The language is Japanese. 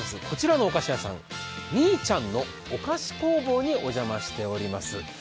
こちらのお菓子屋さん、みいちゃんのお菓子工房にお邪魔しております。